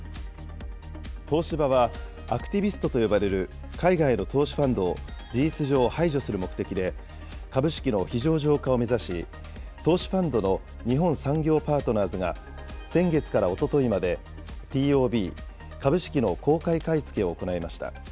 東芝は、アクティビストと呼ばれる海外の投資ファンドを事実上、排除する目的で、株式の非上場化を目指し、投資ファンドの日本産業パートナーズが先月からおとといまで、ＴＯＢ・株式の公開買い付けを行いました。